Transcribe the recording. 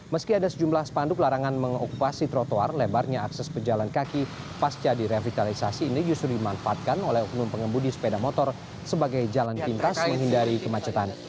meski ada sejumlah spanduk larangan mengokupasi trotoar lebarnya akses pejalan kaki pasca direvitalisasi ini justru dimanfaatkan oleh oknum pengembudi sepeda motor sebagai jalan pintas menghindari kemacetan